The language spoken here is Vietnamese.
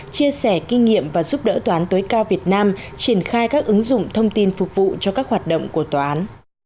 chia sẻ kinh nghiệm và giúp đỡ tòa án tối cao việt nam triển khai các ứng dụng thông tin phục vụ cho các hoạt động của tòa án